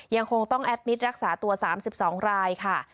ยังคงต้องแอดมิตรรักษาตัว๓๒รายค่ะ